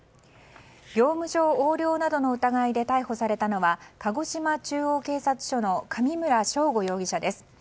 業務上横領などの疑いで逮捕されたのは鹿児島中央警察署の上村将吾容疑者です。